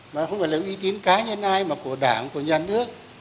mà không phải là uy tín cá nhân ai mà của đảng của nhà nước